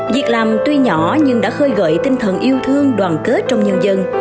việc làm tuy nhỏ nhưng đã khơi gợi tinh thần yêu thương đoàn kết trong nhân dân